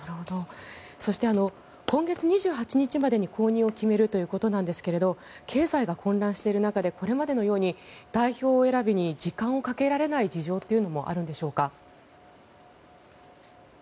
そして今月２８日までに後任を決めるということなんですが経済が混乱している中でこれまでのように代表選びに時間をかけられない事情もあるんでしょうか。